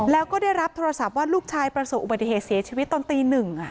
แล้วก็ได้รับโทรศัพท์ว่าลูกชายประสบอุบัติเหตุเสียชีวิตตอนตีหนึ่ง